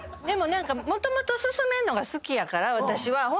でももともとすすめんのが好きやから私は。